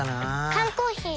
缶コーヒー